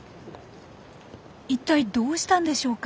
一体どうしたんでしょうか？